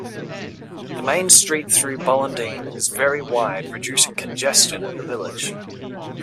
The main street though Ballindine is very wide reducing congestion in the village.